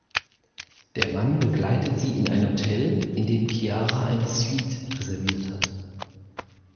Der Mann begleitet sie in ein Hotel, in dem Chiara eine Suite reserviert hat.